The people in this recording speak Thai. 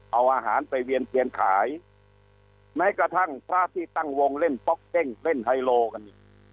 เอาอาหารไปเวียนเทียนขายแม้กระทั่งพระที่ตั้งวงเล่นป๊อกเก้งเล่นไฮโลกันเนี่ย